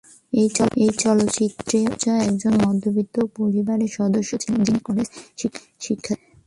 এই চলচ্চিত্রে, ঐশ্বর্যা একজন মধ্যবিত্ত পরিবারের সদস্য ছিলেন, যিনি কলেজের শিক্ষার্থী।